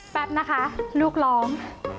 แป๊บนะคะลูกร้อง